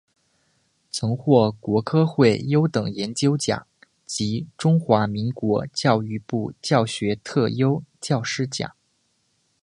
曾获国科会优等研究奖及中华民国教育部教学特优教师奖。